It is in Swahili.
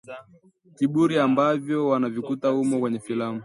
kiburi ambavyo wanavikuta humo kwenye filamu